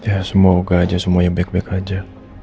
ya semoga aja semuanya baik baik aja